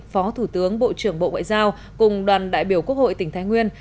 phó thủ tướng bộ trưởng bộ ngoại giao cùng đoàn đại biểu quốc hội tỉnh thái nguyên